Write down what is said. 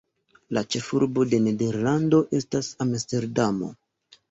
La ĉefurbo de Nederlando estas Amsterdamo.